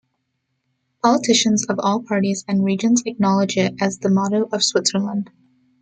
Politicians of all parties and regions acknowledge it as the motto of Switzerland.